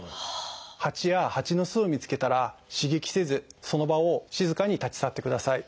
ハチやハチの巣を見つけたら刺激せずその場を静かに立ち去ってください。